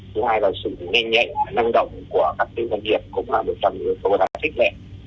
thứ hai là sự nhanh nhạy và năng động của các tư doanh nghiệp cũng là một trong những cơ hội thích mẹ